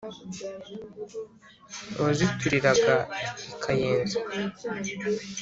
wazituriraga i kayenzi.